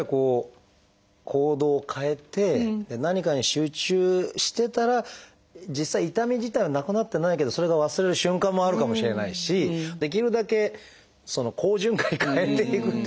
行動を変えて何かに集中してたら実際痛み自体はなくなってないけどそれが忘れる瞬間もあるかもしれないしできるだけ好循環に変えていくっていうんですかね